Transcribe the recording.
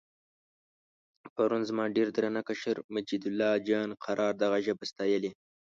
پرون زما ډېر درانه کشر مجیدالله جان قرار دغه ژبه ستایلې.